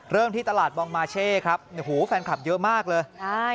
เริ่มที่ตลาดบองมาเช่ครับฟันคลับเยอะมากเลย